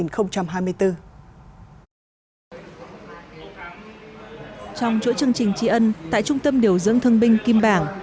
trong chuỗi chương trình tri ân tại trung tâm điều dưỡng thương binh kim bảng